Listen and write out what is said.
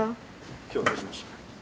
今日はどうしましたか？